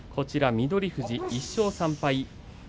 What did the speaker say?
翠富士は１勝３敗。